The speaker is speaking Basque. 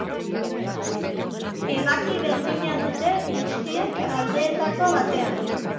Ebaki berdina dute guztiek aldeetako batean.